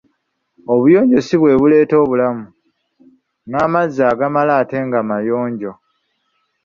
Obuyonjo sibwebuleeta obulamu, n'amazzi agamala ate nga mayonjo.